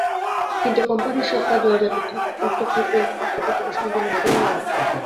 কিন্তু কোম্পানির সব কাজে অযাচিত হস্তক্ষেপ প্রতিষ্ঠানের জন্য মোটেই ভালো নয়।